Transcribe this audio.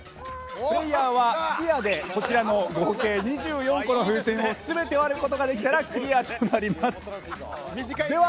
プレーヤーは吹き矢でこちらの合計２４個の風船を全て割ることができたらクリアとなります。